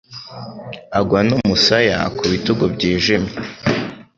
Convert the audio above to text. agwa n'umusaya ku bitugu byijimye